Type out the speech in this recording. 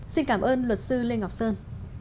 xin cảm ơn luật sư lê ngọc sơn